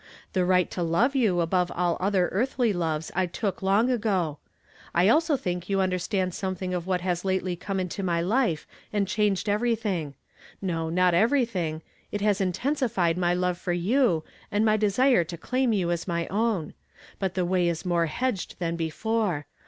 The right to love you above all other earthly loves I took long ago. I also think you understand something of what has lately come into my life and changed everything. No, not every thing ; it has intensified my love for you, and my desire to claim you as my own ; but the way is more hedged than before.